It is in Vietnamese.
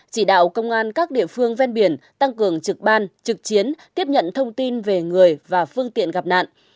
chỉ đạo công an các địa phương ven biển tăng cường trực ban trực chiến tiếp nhận thông tin về người và phương tiện gặp nạn